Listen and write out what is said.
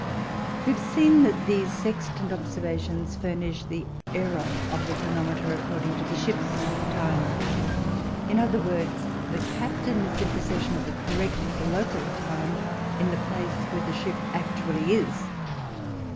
We have seen that the sextant observations furnish the error of the chronometer according to ship's time. In other words, the captain is in possession of the correct local time in the place where the ship actually is.